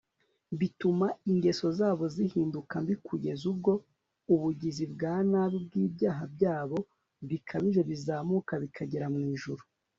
bituma ingezo zabo zihinduka mbi, kugeza ubwo ubugizi bwa nabi n'ibyaha byabo bikabije bizamuka bikagera mu ijuru